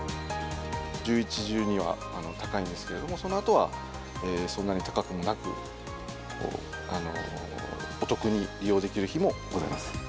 １１、１２は高いんですけれども、そのあとはそんなに高くもなく、お得に利用できる日もございます。